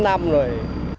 kể bốn năm rồi